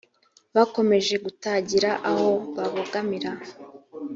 bakomeje kutagira aho babogamira